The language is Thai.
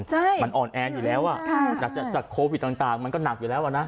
ใช่มันอ่อนแออยู่แล้วอ่ะค่ะจากจากโควิดต่างต่างมันก็หนักอยู่แล้วอ่ะนะ